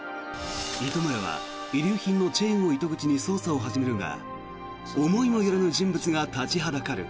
糸村は遺留品のチェーンを糸口に捜査を始めるが思いもよらぬ人物が立ちはだかる。